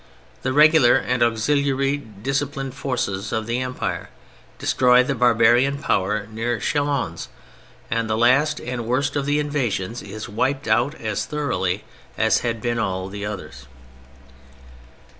The regular and auxiliary disciplined forces of the Empire destroy the barbarian power near Chalons, and the last and worst of the invasions is wiped out as thoroughly as had been all the others.